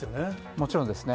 もちろんですね。